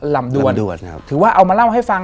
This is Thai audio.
ลำดวนถือว่าเอามาเล่าให้ฟัง